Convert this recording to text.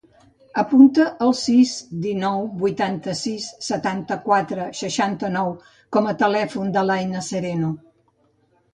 Apunta el sis, dinou, vuitanta-sis, setanta-quatre, seixanta-nou com a telèfon de l'Ànnia Sereno.